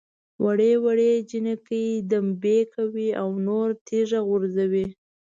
وړې وړې جنکۍ دمبۍ کوي او نور تیږه غورځوي.